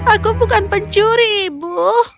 aku bukan pencuri ibu